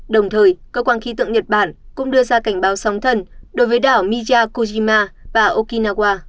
đồng thời cơ quan khí tượng nhật bản cũng đưa ra cảnh báo sóng thần đối với đảo miya kujima và okinawa